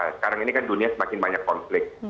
sekarang ini kan dunia semakin banyak konflik